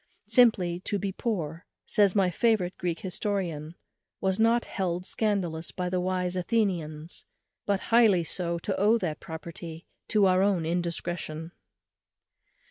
Simply to be poor, says my favourite Greek historian, _was not held scandalous by the wise Athenians, but highly so to owe that poverty to our own indiscretion.